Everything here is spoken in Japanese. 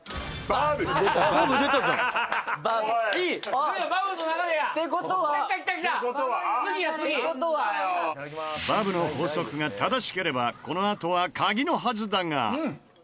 バブの法則が正しければこのあとはカギのはずだが。